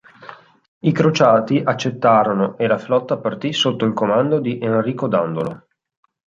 I crociati accettarono e la flotta partì sotto il comando di Enrico Dandolo.